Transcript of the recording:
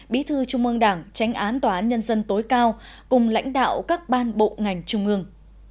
bí thư trung ương đảng tránh án tòa án nhân dân tối cao cùng lãnh đạo các ban bộ ngành trung ương